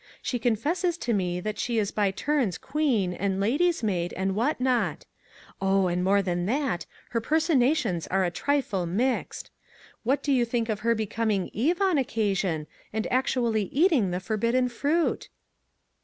She confesses to me that she is by turns queen, and lady's maid, and what not ! Oh, and more than that, her personations are a trifle mixed. What do you think of her becom ing Eve, on occasion, and actually eating the forbidden fruit?"